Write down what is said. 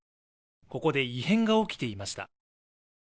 ここで異変が起きていました